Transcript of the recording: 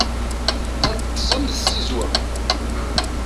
ad ṭṭsen d tzizwa